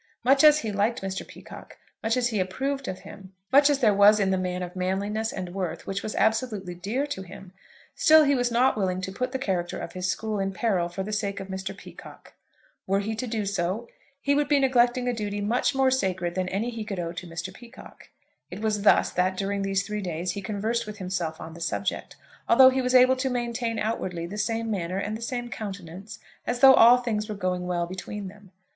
Much as he liked Mr. Peacocke, much as he approved of him, much as there was in the man of manliness and worth which was absolutely dear to him, still he was not willing to put the character of his school in peril for the sake of Mr. Peacocke. Were he to do so, he would be neglecting a duty much more sacred than any he could owe to Mr. Peacocke. It was thus that, during these three days, he conversed with himself on the subject, although he was able to maintain outwardly the same manner and the same countenance as though all things were going well between them.